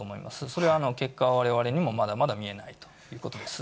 それは、結果はわれわれにもまだまだ見えないということです。